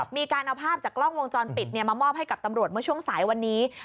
มีการเอาภาพจากกล้องวงจรปิดมามอบให้กับตำรวจเมื่อช่วงสายวันนี้